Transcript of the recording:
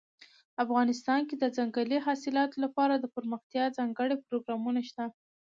افغانستان کې د ځنګلي حاصلاتو لپاره دپرمختیا ځانګړي پروګرامونه شته.